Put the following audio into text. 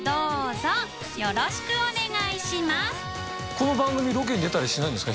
この番組ロケに出たりしないんですか？